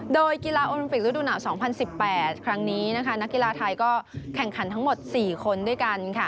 โดยกีฬาโอลิมปิกฤดูหนาว๒๐๑๘ครั้งนี้นักกีฬาไทยก็แข่งขันทั้งหมด๔คนด้วยกัน